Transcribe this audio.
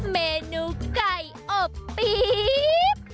เมนูไก่อบปี๊บ